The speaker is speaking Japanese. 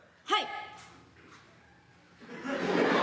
はい。